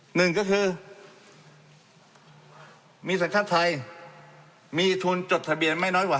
หนึ่งก็คือมีสัญชาติไทยมีทุนจดทะเบียนไม่น้อยกว่า